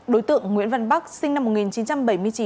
đối tượng nguyễn văn bắc sinh năm một nghìn chín trăm bảy mươi chín